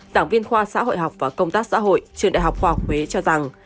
giảng viên khoa xã hội học và công tác xã hội trường đại học khoa học huế cho rằng